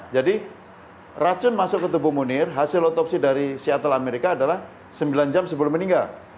jadi racun masuk ke tubuh munir hasil otopsi dari seattle amerika adalah sembilan jam sebelum meninggal